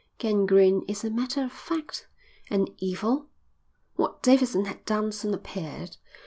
"Gangrene is a matter of fact." "And Evil?" What Davidson had done soon appeared.